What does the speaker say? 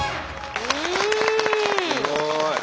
すごい。